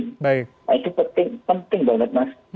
nah itu penting banget mas